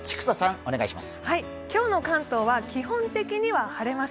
今日の関東は基本的には晴れます。